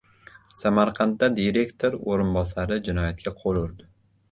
Samarqandda direktor o‘rinbosari jinoyatga qo‘l urdi